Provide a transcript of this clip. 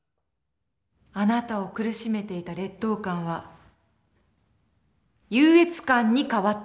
あなたを苦しめていた劣等感は優越感に変わったんですね。